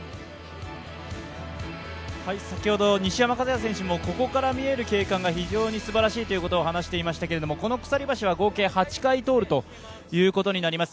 先ほど西山和弥選手もここから見える景観が非常にすばらしいということを話していましたけれどもこの鎖橋は合計８回通るということになります。